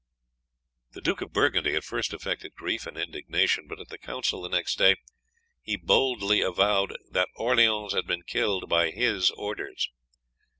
The Duke of Burgundy at first affected grief and indignation, but at the council the next day he boldly avowed that Orleans had been killed by his orders.